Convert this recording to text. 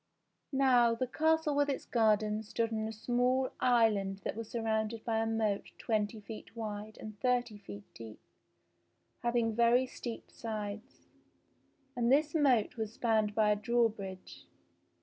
Now the castle with its gardens stood on a small island that was surrounded by a moat twenty feet wide and thirty feet deep, having very steep sides. And this moat was spanned by a drawbridge.